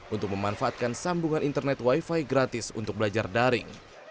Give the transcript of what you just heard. untuk memanfaatkan sambungan internet wifi gratis untuk belajar daring